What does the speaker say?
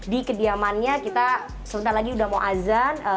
di kediamannya kita sebentar lagi udah mau azan